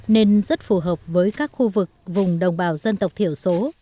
nên rất phù hợp với các khu vực vùng đồng bào dân tộc thiểu số